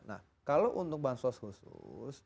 nah kalau untuk bansos khusus